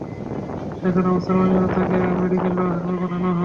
সেখানে অবস্থার অবনতি হলে তাঁকে ঢাকা মেডিকেল কলেজ হাসপাতালে পাঠানো হয়।